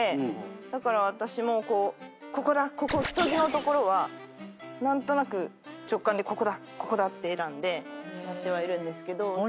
だから私も太字の所は何となく直感でここだここだって選んでやってはいるんですけど。